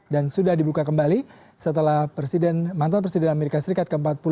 dan sudah dibuka kembali setelah mantan presiden amerika serikat ke empat puluh empat